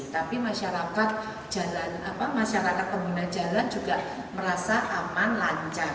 tapi masyarakat pengguna jalan juga merasa aman lancar